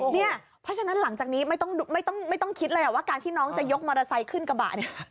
เพราะฉะนั้นหลังจากนี้ไม่ต้องคิดเลยว่าการที่น้องจะยกมอเตอร์ไซค์ขึ้นกระบะเนี่ย